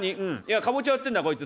かぼちゃ売ってんだこいつ。